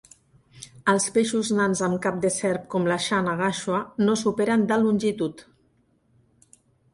Els peixos nans amb cap de serp, com la "channa gachua", no superen de longitud.